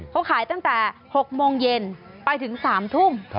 เขาขายตั้งแต่๖โมงเย็นไปถึง๓ทุ่ม